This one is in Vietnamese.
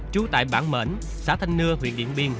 trú tại bảng mễn xã thanh nưa huyện điện biên